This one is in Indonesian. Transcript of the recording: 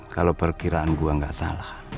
kalau perkiraan gua gak salah